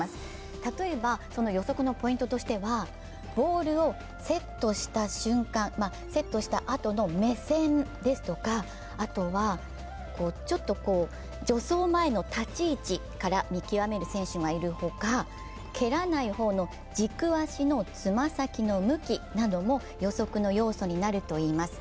例えば予測のポイントとしてはボールをセットした瞬間、セットしたあとの目線ですとかちょっと助走前の立ち位置から見極める選手もいるほか、蹴らない方の、軸足の爪先の向きなども予測の要素になるといいます。